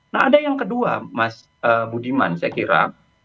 nah ada yang kedua mas budiman saya kira